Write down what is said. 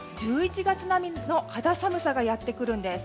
１１月並みの肌寒さがやってくるんです。